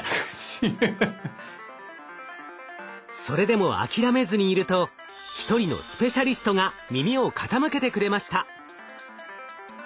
それでも諦めずにいると一人のスペシャリストが耳を傾けてくれました。